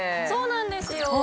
そうなんですよ。